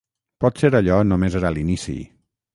Potser allò només era l'inici.